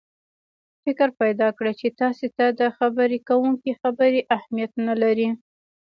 فکر پیدا کړي چې تاسې ته د خبرې کوونکي خبرې اهمیت نه لري.